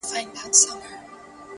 • دومره لوړ سو چي له سترګو هم پناه سو -